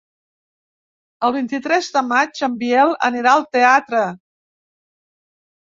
El vint-i-tres de maig en Biel anirà al teatre.